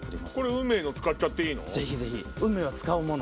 運命の使っちゃっていいの？